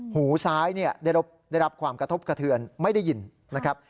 หูซ้ายได้รับความกระทบกระเทือนไม่ได้ยินนะครับ